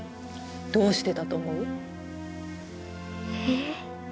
どうしてだと思う？え？